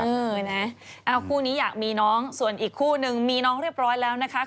เออนะคู่นี้อยากมีน้องส่วนอีกคู่นึงมีน้องเรียบร้อยแล้วนะคะ